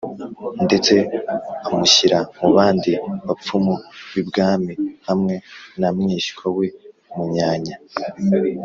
ndetse amushyira mu bandi bapfumu b’ibwami hamwe na mwishywa we munyanya